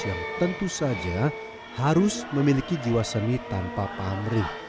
yang tentu saja harus memiliki jiwa seni tanpa pamrih